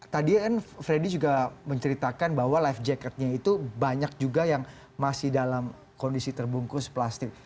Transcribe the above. tadi freddy juga menceritakan bahwa life jacketnya itu banyak juga yang masih dalam kondisi terbungkus plastik